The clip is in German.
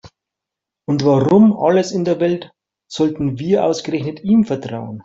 Und warum um alles in der Welt sollten wir ausgerechnet ihm vertrauen?